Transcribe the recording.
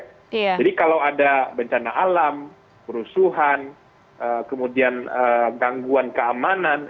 jadi kalau ada bencana alam kerusuhan kemudian gangguan keamanan